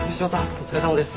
お疲れさまです。